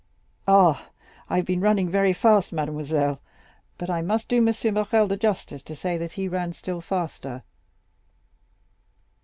"Ah, I have been running very fast, mademoiselle, but I must do M. Morrel the justice to say that he ran still faster."